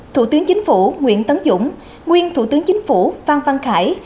thủ tướng chính phủ nguyễn tấn dũng nguyên thủ tướng chính phủ phan văn khải